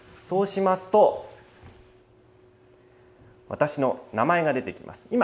そうしますと、私の名前が出てきます。